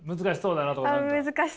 難しそうだなとか。